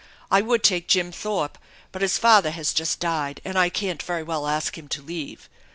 I would take Jim Thorpe, but his father has just died and I can't very well ask him to leave.